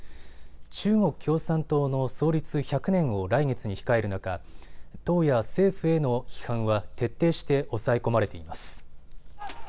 中国共産党の創立１００年を来月に控える中、党や政府への批判は徹底して抑え込まれています。